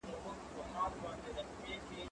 دا کتاب له هغه مفيد دی،